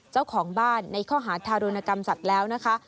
เจ้าของบ้านในข้อหาทารุณกรรมสัตว์แล้วนะคะ